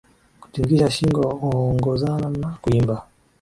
Kutingisha shingo huongozana na kuimba